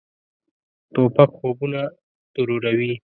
توپک خوبونه تروروي.